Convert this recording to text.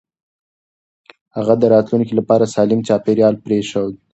هغه د راتلونکي لپاره سالم چاپېريال پرېښود.